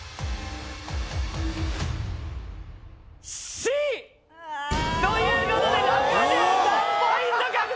Ｃ！ということで６３ポイント獲得。